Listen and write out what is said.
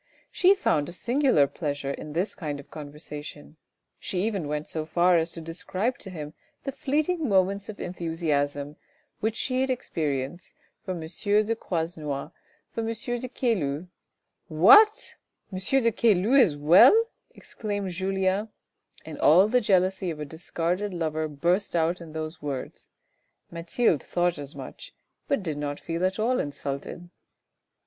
She found a singular pleasure in this kind of conversation, she even went so far as to describe to him the fleeting moments of enthusiasm which she had experienced for M. de Croisenois, for M. de Caylus " What ! M. de Caylus as well !" exclaimed Julien, and all the jealousy of a discarded lover burst out in those words, Mathilde thought as much, but did not feel at all insulted.